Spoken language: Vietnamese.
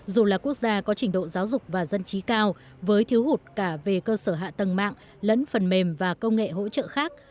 dù là quốc gia có trình độ giáo dục và dân trí cao với thiếu hụt cả về cơ sở hạ tầng mạng lẫn phần mềm và công nghệ hỗ trợ khác